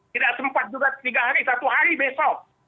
tidak sempat juga tiga hari satu hari besok